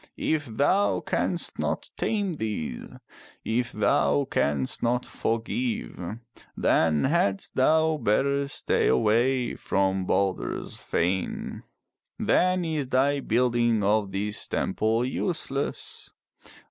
If thou canst not tame these, if thou canst not forgive, then hadst thou better stay away from Balder's fane. Then is thy building of this temple useless.